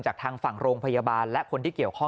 ทางฝั่งโรงพยาบาลและคนที่เกี่ยวข้อง